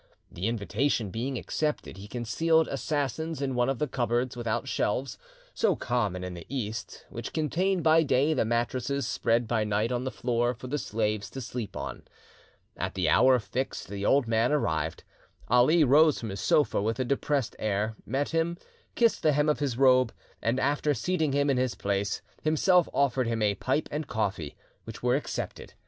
The invitation being accepted, he concealed assassins in one of the cupboards without shelves, so common in the East, which contain by day the mattresses spread by night on the floor for the slaves to sleep upon. At the hour fixed, the old man arrived. Ali rose from his sofa with a depressed air, met him, kissed the hem of his robe, and, after seating him in his place, himself offered him a pipe and coffee, which were accepted.